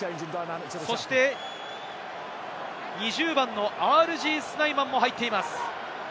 そして２０番のＲＧ・スナイマンも入っています。